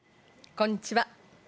こんにちは。